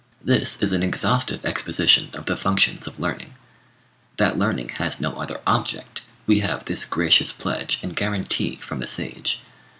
This is an exhaustive exposition of the functions of learning. That learning has no other object, we have this gracious pledge and guarantee from the sage.